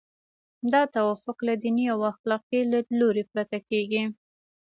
دا توافق له دیني او اخلاقي لیدلوري پرته کیږي.